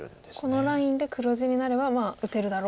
このラインで黒地になればまあ打てるだろうという。